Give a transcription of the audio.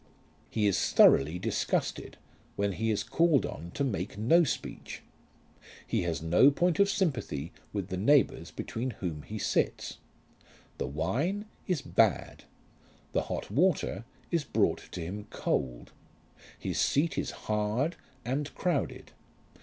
He is thoroughly disgusted when he is called on to make no speech. He has no point of sympathy with the neighbours between whom he sits. The wine is bad. The hot water is brought to him cold. His seat is hard and crowded.